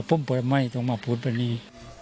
ผมนี่